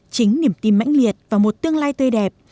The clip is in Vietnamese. chính niềm tin mãnh liệt và một tương lai tươi đẹp